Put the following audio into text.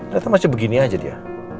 ternyata masih begini aja dia